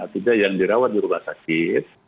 tiga yang dirawat di rumah sakit